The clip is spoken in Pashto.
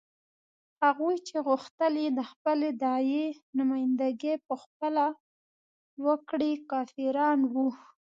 هغوی چې غوښتل یې د خپلې داعیې نمايندګي په خپله وکړي کافران وو.